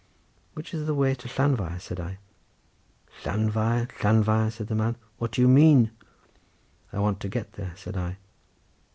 "Which is the way to Llanfair?" said I. "Llanfair, Llanfair?" said the man, "what do you mean?" "I want to get there," said I.